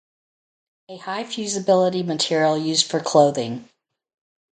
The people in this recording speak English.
A high fusibility material used for clothing.